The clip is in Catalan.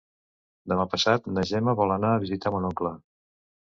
Demà passat na Gemma vol anar a visitar mon oncle.